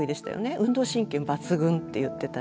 運動神経抜群って言ってたし。